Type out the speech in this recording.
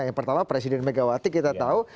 yang pertama presiden megawati kita tahu